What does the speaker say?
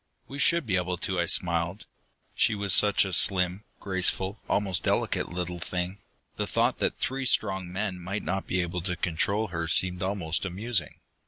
"We should be able to," I smiled. She was such a slim, graceful, almost delicate little thing; the thought that three strong men might not be able to control her seemed almost amusing.